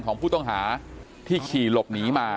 กลุ่มตัวเชียงใหม่